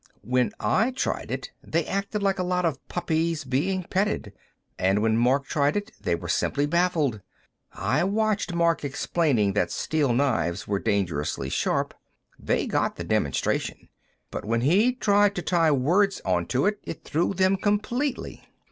"When I tried it, they acted like a lot of puppies being petted, and when Mark tried it, they were simply baffled. I watched Mark explaining that steel knives were dangerously sharp; they got the demonstration, but when he tried to tie words onto it, it threw them completely."